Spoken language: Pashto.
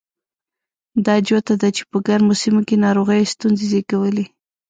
دا جوته ده چې په ګرمو سیمو کې ناروغیو ستونزې زېږولې.